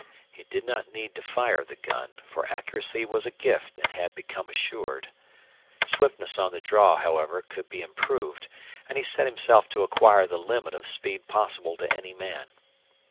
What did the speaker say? He did not need to fire the gun, for accuracy was a gift and had become assured. Swiftness on the draw, however, could be improved, and he set himself to acquire the limit of speed possible to any man.